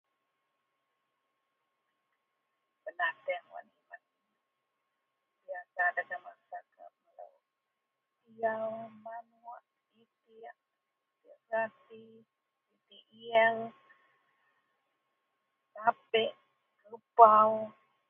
Benateang wak nimen dagen masarakat melo... [unintelligible] siaw manuok sieng itek itek serati.. [unintelligible] sapiek kerbau.